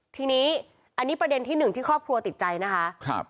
ทีนี้อันนี้ประเด็นที่หนึ่งที่ครอบครัวติดใจนะคะ